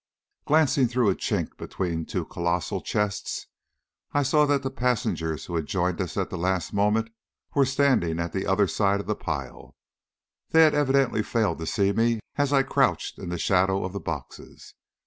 Glancing through a chink between two colossal chests, I saw that the passengers who had joined us at the last moment were standing at the other side of the pile. They had evidently failed to see me as I crouched in the shadow of the boxes.